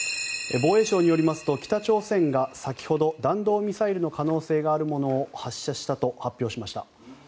防衛省によりますと北朝鮮が先ほど弾道ミサイルの可能性があるものを発射したと発表しました。